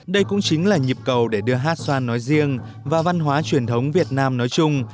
đây cũng chính là nhịp cầu để đưa hát xoan nói riêng và văn hóa truyền thống việt nam nói chung